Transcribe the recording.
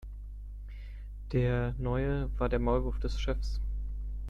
Der Neue war der Maulwurf des Chefs.